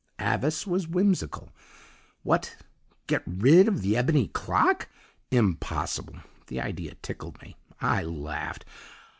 "Avice was whimsical. What, get rid of the Ebony Clock! Impossible the idea tickled me. I laughed.